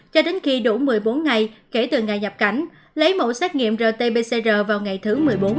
cho đến khi đủ một mươi bốn ngày kể từ ngày nhập cảnh lấy mẫu xét nghiệm rt pcr vào ngày thứ